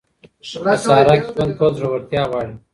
په صحرا کي ژوند کول زړورتيا غواړي.